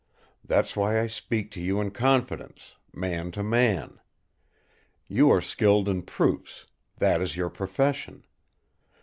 That's why I speak to you in confidence, man to man. You are skilled in proofs; that is your profession.